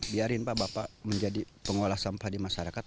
biarin pak bapak menjadi pengolah sampah di masyarakat